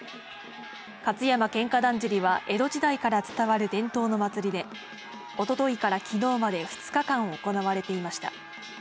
勝山喧嘩だんじりは江戸時代から伝わる伝統の祭りで、おとといからきのうまで２日間行われていました。